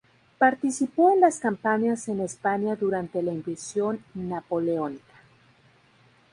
Participó en las campañas en España durante la invasión napoleónica.